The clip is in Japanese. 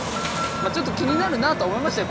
まあちょっと気になるなと思いましたよ